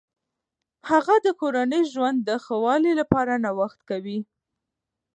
هغه د کورني ژوند د ښه والي لپاره نوښت کوي.